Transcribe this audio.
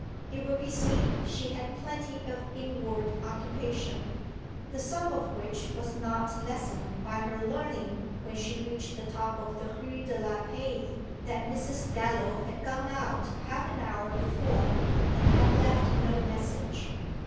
It will be seen she had plenty of inward occupation, the sum of which was not lessened by her learning when she reached the top of the Rue de la Paix that Mrs. Dallow had gone out half an hour before and had left no message.